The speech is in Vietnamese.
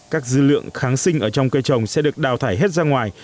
các dư lượng kháng sinh ở trong cây trồng sẽ được đào thải hết ra ngoài